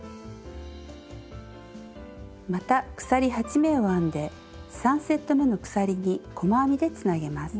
また鎖８目を編んで３セットめの鎖に細編みでつなげます。